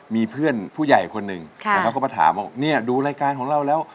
มีเพื่อนผู้ใหญ่คนหนึ่งนะครับเขามาถามว่าเนี่ยดูรายการของเราแล้ว